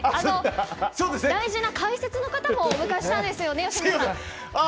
大事な解説の方をお迎えしたんですよね、吉村さん。